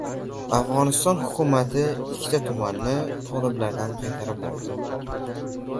Afg‘oniston hukumati ikkita tumanni toliblardan qaytarib oldi